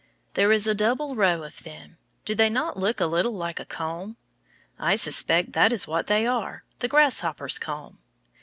There is a double row of them. Do they not look a little like a comb? I suspect that is what they are, the grasshopper's comb.